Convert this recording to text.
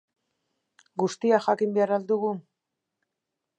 Guztia jakin behar al dugu?